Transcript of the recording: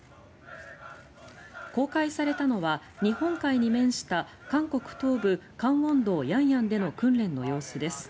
公開されたのは日本海に面した韓国東部江原道襄陽での訓練の様子です。